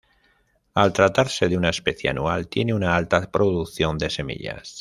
Al tratarse de una especie anual tiene una alta producción de semillas.